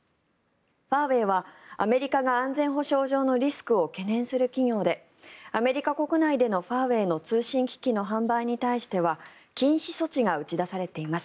ファーウェイはアメリカが安全保障上のリスクを懸念する企業でアメリカ国内でのファーウェイの通信機器の販売に対しては禁止措置が打ち出されています。